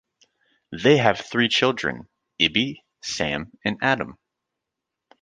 They have three children, Ibby, Sam, and Adam.